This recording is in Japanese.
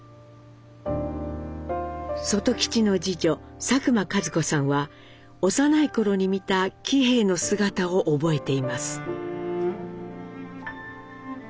外吉の次女・佐久間和子さんは幼い頃に見た喜兵衛の姿を覚えています。